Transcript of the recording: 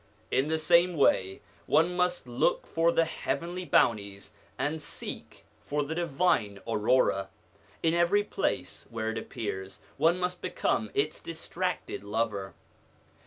In the same way, one must look for the heavenly bounties, and seek for the Divine Aurora. In every place where it appears, one must become its distracted lover.